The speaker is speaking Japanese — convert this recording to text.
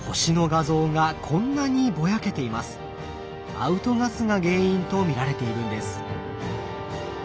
アウトガスが原因と見られているんです。